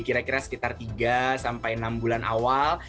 kira kira sekitar tiga sampai enam bulan awal